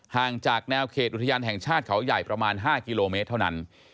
ห่างจากแนวเขตอุทยานแห่งชาติเขาใหญ่ประมาณ๕กิโลเมตรเท่านั้น